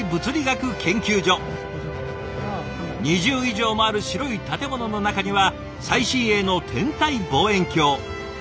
２０以上もある白い建物の中には最新鋭の天体望遠鏡。